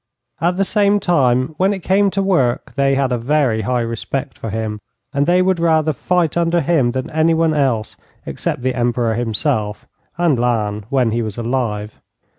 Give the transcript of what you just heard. At the same time, when it came to work they had a very high respect for him, and they would rather fight under him than under anyone except the Emperor himself, and Lannes, when he was alive.